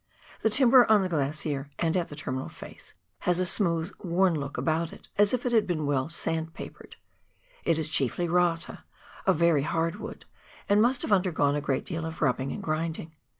The timber on the glacier and at the terminal face has a smooth, worn look about it, as if it had been well sand papered ; it is chiefly rata, a very hard wood, and must have undergone a great deal of rubbing and grinding.